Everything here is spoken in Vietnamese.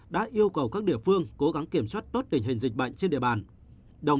đã yêu cầu các địa phương cố gắng kiểm soát tốt tình hình dịch bệnh trên địa bàn